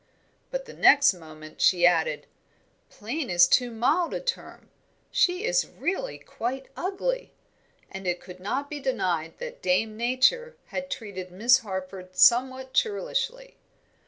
But the next moment she added, "Plain is too mild a term; she is really quite ugly;" and it could not be denied that Dame Nature had treated Miss Harford somewhat churlishly.